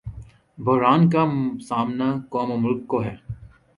بحران کا سامنا قوم اورملک کو ہے۔